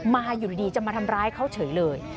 มาอยู่ดีจะมาทำร้ายเขาเฉยเลย